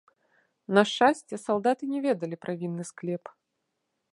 На шчасце, салдаты не ведалі пра вінны склеп.